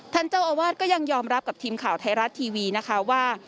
ท่านเจ้าอาวาสก็ยังยอมรับกับทีมข่าวไทยรัฐทีวีนะคะว่า